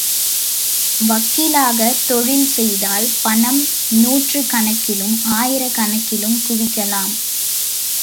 வக்கீலாகத் தொழில் செய்தால், பணம் நூற்றுக் கணக்கிலும், ஆயிரக் கணக்கிலும் குவிக்கலாம்.